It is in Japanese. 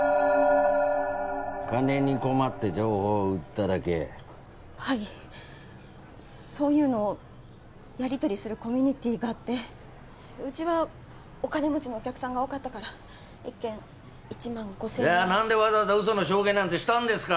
金に困って情報を売っただけはいそういうのをやりとりするコミュニティーがあってうちはお金持ちのお客さんが多かったから１件１万５０００円じゃあ何でわざわざ嘘の証言なんてしたんですか！